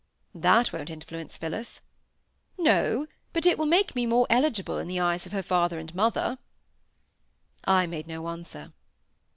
"That won't influence Phillis." "No! but it will make me more eligible in the eyes of her father and mother." I made no answer.